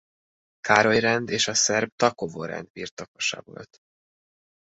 Károly-rend és a szerb Takovo-rend birtokosa volt.